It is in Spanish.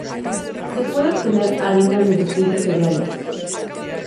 Se puede obtener harina de distintos cereales.